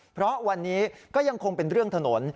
เพราะวันนี้ก็ยังคงเป็นเรื่องถนน